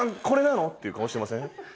これなの？」っていう顔してません？